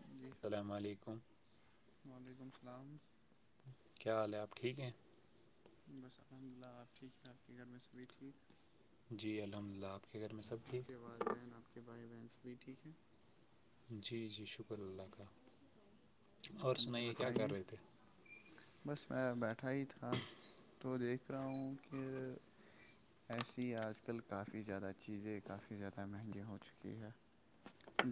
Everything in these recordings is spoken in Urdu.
جی اللام علیکم وعلیکم السلام کیا حال ہے آپ ٹھیک ہیں بس الحمد للہ آپ ٹھیک ہے آپ کے گھر میں سبھی ٹھیک جی الحمد للہ آپ کے گھر میں سب ٹھیک اوکے بائی وینس بھی ٹھیک ہے ہ جی جی شکر اللہ کا اور ہاں جی سنائیے کیا بتائیے کر رہے تھے بس میں بیٹھا ہی تھا تو دیکھ رہا ہوں کہ ایسی آج کل کافی زیادہ چیزیں کافی زیادہ مہنگی ہو چکی ہے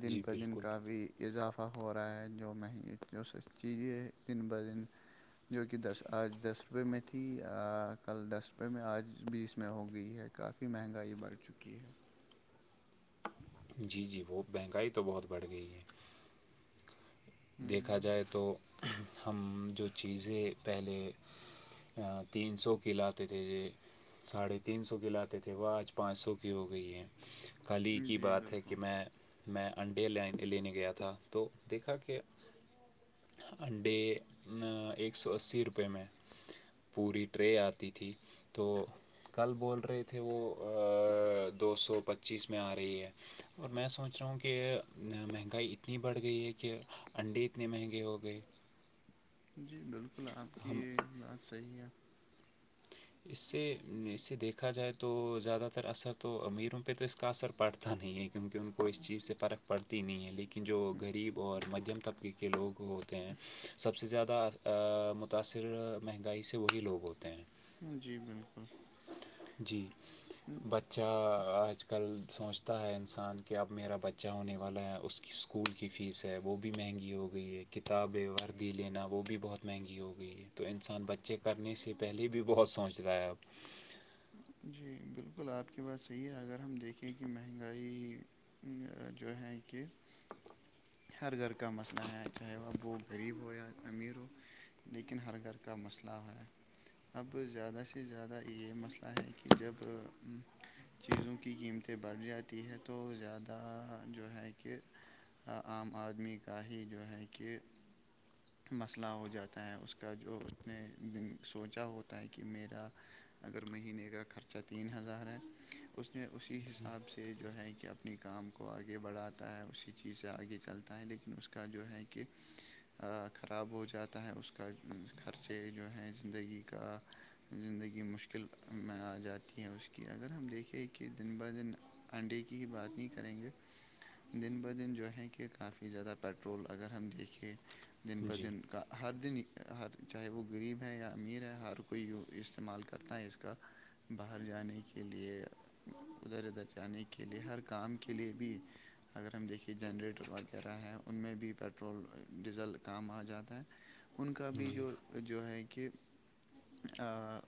دن جی بہ دن بالکل کافی اضافہ ہو رہا ہے جو مہنگی جو س چیزیں دن بہ دن جو کہ دس آج دس روپے میں تھی کل دس روپے میں آج بیس میں ہو گئی ہے کافی مہنگائی بڑھ چکی ہے جی جی وہ مہنگائی تو بہت بڑھ گئی ہے دیکھا ہوں جائے تو ہم جو چیزیں پہلے تین سو ک لاتے تھے ج ساڑھے تین سو کے لاتے تھے وہ آج پانچ سو کی ہو گئی ہے خالی کی جی بات ہے کہ بالکل میں میں انڈے لینے گیا تھا تو دیکھا کہ انڈے ایک سو اسی روپئے میں پوری ٹرے آتی تھی تو کل بول رہے تھے وہ دو سو پچیس میں آ رہی ہے اور میں سوچ رہا ہوں کہ مہنگائی اتنی بڑھ گئی ہے کہ انڈے اتنے مہنگے ہو گئے جی بالکل آپ کی ہم بات صحیح ہے اس سے اس سے دیکھا جائے تو زیادہ تر اثر تو امیروں پہ تو اس کا اثر پڑتا نہیں ہے کیونکہ ان کو اس چیز سے فرق پڑتی نہیں ہے لیکن جو غریب اور مدھیم طبقے کے لوگ ہوتے ہیں سب سے زیادہ متاثر مہنگائی سے وہی لوگ ہوتے ہیں جی بالکل جی بت بچہ آج کل سوچتا ہے انسان کہ اب میرا بچہ ہونے والا ہے اس اسکول کی فیس ہے وہ بھی مہنگی ہو گئی ہے کتابیں وردی لینا وہ بھی بہت مہنگی ہو گئی ہے تو انسان بچے کرنے سے پہلے بھی بہت سوچ رہا ہے اب جی بالکل آپ کی بات صحیح ہے اگر ہم دیکھیں کہ مہنگائی جو ہیں کہ ہر گھر کا مسئلہ ہے چاہے وہ اب وہ غریب ہو یا امیر ہو لیکن ہر گھر کا مسئلہ ہے اب زیادہ سے زیادہ یہ مسئلہ ہے کہ جب چیزوں کی قیمتیں بڑھ جاتی ہیں تو زیادہ جو ہے کہ عام آدمی کا ہی جو ہے کہ [inaudible] مسئلہ ہو جاتا ہے اس کا جو اس نےن سوچا ہوتا ہے کہ میرا اگر مہینے کا خرچہ تین ہزار ہے اس نے اسی حساب سے جو ہے کہ آب اپنی کام کو آگے بڑھاتا ہے اسی چیزیں آگے چلتا ہے لیکن اس کا جو ہے کہ خراب ہو جاتا ہے اس کا خرچے جو ہیں زندگی کا زندگی مشکل میں آ جاتی ہے اس کی اگر ہم دیکھیں کہ دن بہ دن انڈے کی ہی بات نہیں کریں گے دن بد دن جو ہے کہ کافی زیادہ پیٹرول اگر ہم دیکھے دن ب جی دن کا ہر دن ہر چاہے وہ غریب ہے یا امیر ہے ہر کوئی استعمال کرتا ہے اس کا باہر جانے کے لئے ادھر ادھر جانے کے لئے ہر کام کے لئے بھی اگر ہم دیکھیں کہ جنریٹر وغیرہ ہیں ان میں بھی پٹرول ڈیزل کام آ جاتا ہے ان کا بھی جی جو جو ہے کہ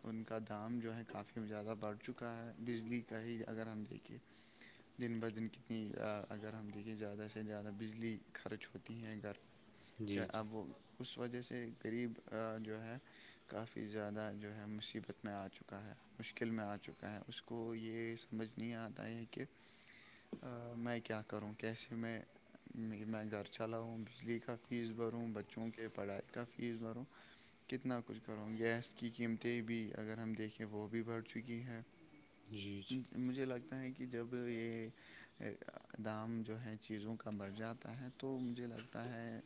ان کا دام جو ہے کافی زیادہ بڑھ چکا ہے بجلی کا ہی اگر ہم دیکھ کہ دن ب دن کتنی اگر ہم دیکھیں کہ زیادہ سے زیادہ بجلی خرچ ہوتی ہیں گھر میں چاہ جی جی اب وہ اس وجہ سے غریب جو ہے کافی زیادہ جو ہے مصیبت میں آ چکا ہے مشکل میں آ چکا ہے اس کو کو یہ سمجھ نہیں آتا ہے کہ میں کیا کروں کیسے میں میں گھر چلاؤں بجلی کا فیس بھروں بچوں کے پڑھائی کا فیس بھروں کتنا کچھ کروں گیس کی قیمتیں بھی اگر ہم دیکھیں وہ بھی بڑھ چکی ہیں جی جی مجھے لگتا ہے کہ جب یہ دام جو ہے چیزوں کا بڑھ جاتا ہے تو مجھے لگتا ہے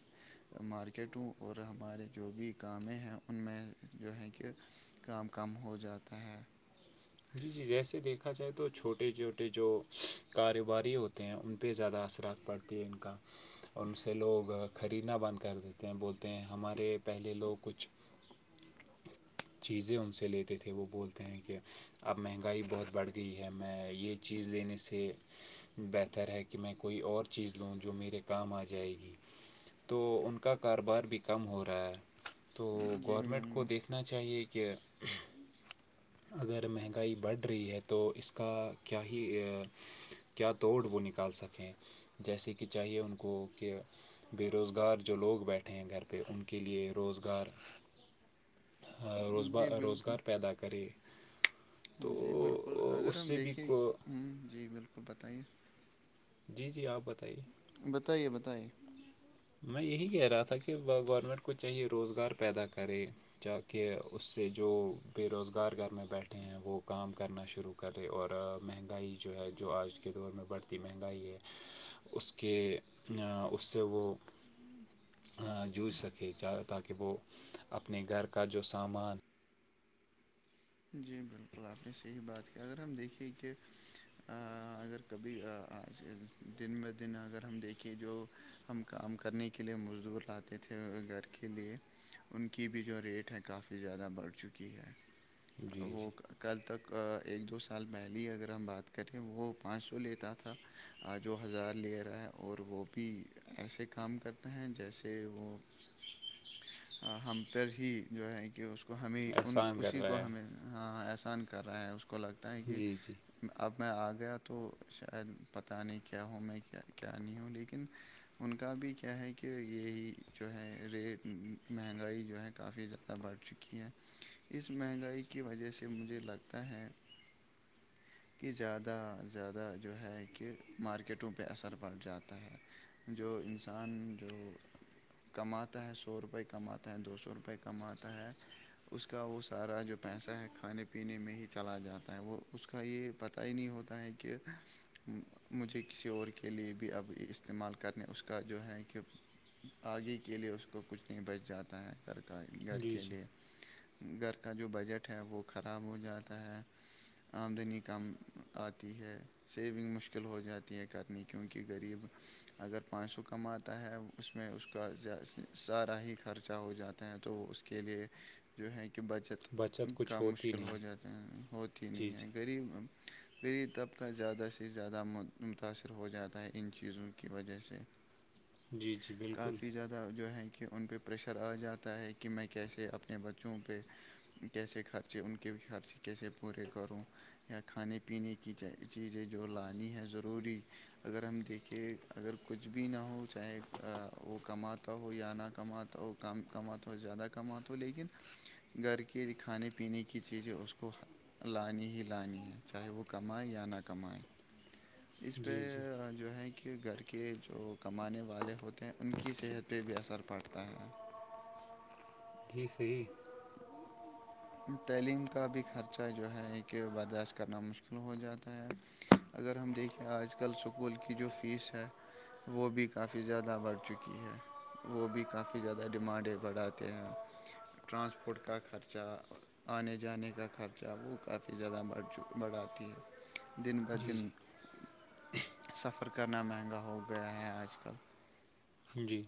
مارکیٹوں اور ہمارے جو بھی کامیں ہیں ان میں جو ہے کہ کام کم ہو جاتا ہے جی جی جیسے دیکھا جائے تو چھوٹے چھوٹے جو کاروباری ہوتے ہیں ان پہ زیادہ اثرات پڑتے ت ان کا ان سے لوگ خریدنا بند کر دیتے ہیں بولتے ہیں ہمارے پہلے لوگ کچھ چیزیں ان سے لیتے تھے وہ بولتے ہیں کہ اب مہنگائی بہت بڑھ گئی ہے میں یہ چیز لینے سے بہتر ہے کہ میں کوئی اور چیز لوں جو میرے کام آ جائے گی تو ان کا کاروبار بھی کم ہو رہا ہے تو جی گورنمنٹ کو بالکل دیکھنا چاہیے کہ اگر مہنگائی بڑھ رہی ہے تو اس کا کیا ہی کیا توڑ وہ نکال سکیں جیسے کہ چاہیے ان کو کہ بے روزگار جو لوگ بیٹھے ہیں گھر پہ ان کے لیے روزگار روزا جی بالکل روزگار پیدا کرے تو جی بالکل اس اگر ہم سے بھی دیکھیں کو جی بالکل بتائیے جی جی آپ بتائیے بتائیے بتائیے میں یہی کہہ رہا تھا کہ گورنمنٹ کو چاہیے روزگار پیدا کرے تااکہ اس سے جو بے روزگار گھر میں بیٹھے ہیں وہ کام کرنا شروع کرے اور مہنگائی جو ہے جو آج کے دور میں بڑھتی مہنگائی ہے اس کے اس سے وہ جوجھ سکے تاکہ وہ اپنے گھر کا جو سامان جی بالکل آپ نے صحیح بات کیا اگر ہم دیکھیں کہ ا اگر کبھیج دن ب دن اگر ہم دیکھیں جو ہم کام کرنے کے لیے مزدور رہتے تھے گھر کے لیے ان کی بھی جو ریٹ ہے کافی زیادہ بڑھ چکی ہے جی وہ جی کل تک ایک دو سال پہلے اگر ہم بات کریں وہ پانچ سو لیتا تھا جو ہزار ل رہا ہے اور وہ بھی ایسے کام کرتے ہیں جیسے وہ [inaudible] ہم پ ہی جو ہے کہ اس کو کو ہمیں ان احسان کر اسی رہا کو ہمیں ہے ہاں احسان کر رہے ہیں اس کو لگتا ہے کہ جی جی اب میں آ گیا تو شاید پتاہ نہیں کیا ہو میں کیا نہیں ہوں لیکن ان کا بھی کیا ہے کہ یہی جو ہے ریٹ مہنگائی جو ہے کافی زیادہ بڑھ چکی ہیں اس مہنگائی کی وجہ سے مجھے لگتا ہے [inaudible] کہ زیادہ زیادہ جو ہے کہ مارکیٹوں پہ اثر پڑ جاتا ہے جو انسان جو کماتا ہے سو روپئے کماتا ہے دو سو روپئے کماتا ہے اس کا وہ سارا جو پیسہ ہے کھانے پینے میں ہی چلا جاتا ہے وہ اس کا یہ پتہ ہی نہیں ہوتا ہے کہ مجھے کسی اور کے لئے بھی اب یہ استعمال کرنے اس کا جو ہے کہ آگے کے لیے اس کو کچھ نہیں بچ جاتا ہے گھر کا گھر جی کے جی لیے گھر کا جو بجٹ ہے وہ خراب ہو جاتا ہے آمدنی کم آتی ہے سیونگ مشکل ہو جاتی ہے کرنی کیونکہ غریب اگر پانچ سو کماتا ہے اس میں اس کا سارا ہی خرچہ ہو جاتا ہیں تو اس کے لیے جو ہے کہ بچت کا کچھ ہوتی مشکل ہو نہیں جاتا ہیں ہوتی جی نہیں ہے جی غریب پری طبقہ زیادہ سے زیادہ متاثر ہو جاتا ہے ان چیزوں کی وجہ سے [inaudible] بالکل کای زیادہ جو ہے کہ ان پہ پریشر آ جاتا ہے کہ میں کیسے اپنے بچوں پہ کیسے خرچے ان کے بھی خرچے کیسے پورے کروں یا کھانے پینے کی چیزیں جو لانی ہے ضروری اگر ہم دیکھیں اگر کچھ بھی نہ ہو چاہے وہ کماتا ہو یا نہ کماتا تو وہ کم کماتا ہو زیادہ کما ہو لیکن گھر کی کے کھانے پینے کی چیزیں اس کو لانی ہی لانی ہے چاہے وہ کمائے یا نہ کمائے جی اس پہ جی جو ہے کہ گھر کے جو کمانے والے ہوتے ہیں ان کی صحت پہ بھی اثر پڑتا ہے جی صحیح تعلیم کا بھی خرچہ جو ہے کہ برداشت کرنا مشکل ہو جاتا ہے اگر ہم دیکھیں آج کل اسکول کی جو فیس ہے وہ بھی کافی زیادہ بڑھ چکی ہے وہ بھی کافی زیادہ ڈیمانڈیں بڑھاتے ہیں ٹرانسپورٹ کا خرچہ آنے جانے کا خرچہ وہ کافی زیادہ بڑھ چ بڑھاتی ہے دن جی بہدن جی سفر کرنا مہنگا ہو گیا ہے آج کل جی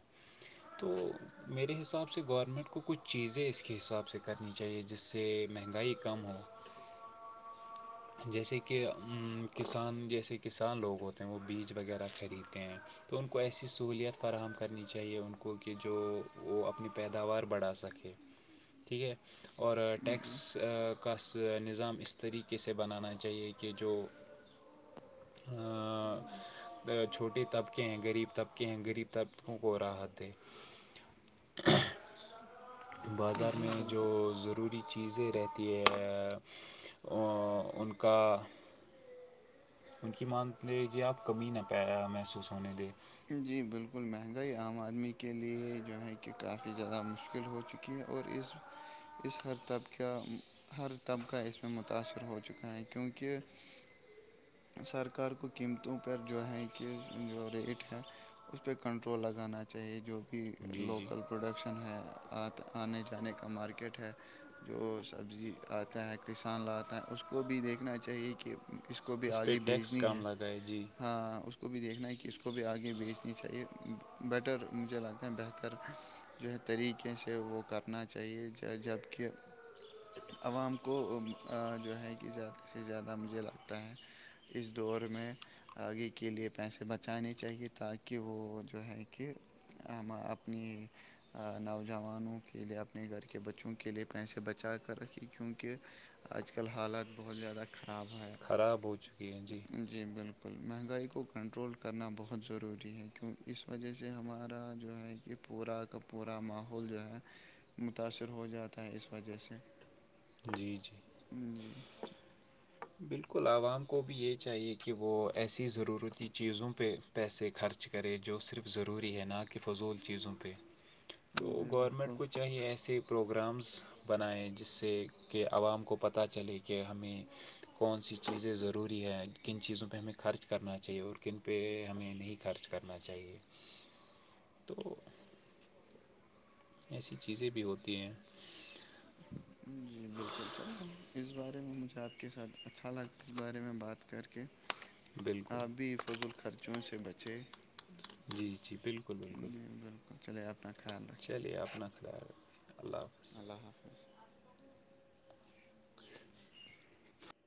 تو میرے حساب سے گورنمنٹ کو کچھ چیزیں اس کے حساب سے کرنی چاہیے جس سے مہنگائی کم ہو جیسے کہ کسان جیسے کسان لوگ ہوتے ہیں وہ بیج وغیرہ خریدتے ہیں تو ان کو ایسی سہولیت فراہم کرنی چاہیے ان کو کہ جو وہ اپنے پیداوار بڑھا سکے ٹھیک ہے اور ٹیکس کا نظام اس طریقے کسے بنانا چاہیے کہ جو ہوں چھوٹے طبقے ہیں غریب طبقے ہیں غریب طبقوں کو راحت دے ہاں بازار جی میں جو بالکل ضروری چیزیں رہتی ہے ان کا ان کی مان لیجیے آپ کمی نہ پ محسوس ہونے دیں جی بالکل مہنگائی عام آدمی کے لیے جو ہے کہ کافی زیادہ مشکل ہو چکی ہے اور اس اس ہر طبقے ہاں طبقہ اس میں متاثر ہو چکا ہے کیونکہ سرکار کو قیمتوں پر جو ہے کہ جو ریٹ ہے اس پہ کنٹرول لگانا چاہیے جو بھی جی جی لوکل پروڈکشن ہے آنے جانے کا مارکیٹ ہے جو سبزی آتا ہے کسان لاتا ہیں اس کو بھی دیکھنا چاہیے کہ اس کو بھی پہ آگے ٹیکس بھیجنی کم ہے لگائے جی ہاں اس کو بھی دیکھنا ہے کہ اس کو بھی آگے بیچنی چاہیے بیٹر مجھے لگتا ہے بہتر جو ہے طریقے سے وہ کرنا چاہیے جبک عوام کو جو ہے کہ زیادہ سے زیادہ مجھے لگتا ہے اس دور میں آگے کے لئے پیسے بچ پچانی چاہیے تاکہ وہ جو ہے کہ ہم اپنی نوجوانوں کے لیے اپنے گھر کے بچوں کے لیئے پیسے بچا کر رکھی کیونکہ آج کل حالت بہت زیادہ خراب ہے خراب ہو چکی ہیں جی جی بالکل مہنگائی کو کنٹرول کرنا بہت ضروری ہے کیوں اس وجہ سے ہمارا جو ہے کہ پورا کپ پورا ماحول جو ہے متاثر ہو جاتا ہے اس وجہ سے جی جی جی بالکل عوام کو بھی یہ چاہیے کہ وہ ایسی ضرورتی چیزوں پہ پیسے خرچ کرے جو صرف ضروری ہے نہ کہ فضول چیزوں پہ تو جی گورمنٹ بالکل کو چاہیے ایسے پروگرامس بنائیں جس سے کہ عوام کو پتہ چلے کہ ہمیں کون سی چیزیں ضروری ہیں کن چیزوں پہ ہمیں خرچ کرنا چاہیے اور کن پہ ہمیں نہیں خرچ کرنا چاہیے تو ایسی چیزیں بھی ہوتی ہیں جی بالکل چلو اس بارے میں مجھے آپ کے ساتھ اچھا لگا اس بارے میں بات کر کے بالکل آپ بھی فضول خرچوں سے بچیں جی جی بالکل بالکل جی بالکل چلے آ اپنا خال چلیے اپنا خد اللہ حافظ اللہ حافظ